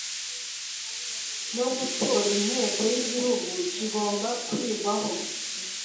no gutora Inteko y Igihugu kigomba kwigwaho